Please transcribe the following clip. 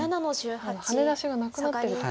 ハネ出しがなくなってると。